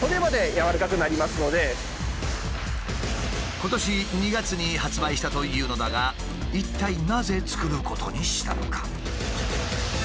今年２月に発売したというのだが一体なぜ作ることにしたのか？